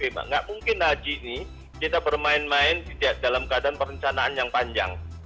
tidak mungkin haji ini kita bermain main dalam keadaan perencanaan yang panjang